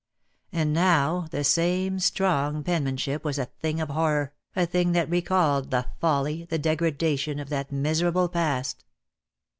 And now the same strong penmanship was a thing of horror, a thing that recalled the folly, the degradation of that miserable past.